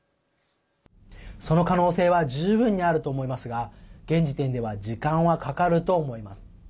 その可能性は十分にあると思いますが現時点では時間はかかると思います。